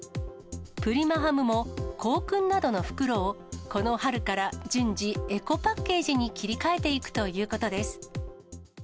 プリマハムも香薫などの袋を、この春から順次、エコパッケージに切り替えていくということです。